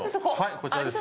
こちらです